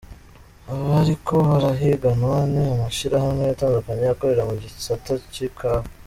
Abariko barahiganwa ni amashirahamwe atandukanye akorera mu gisata c'ikawa.